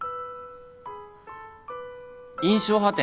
『印象派展』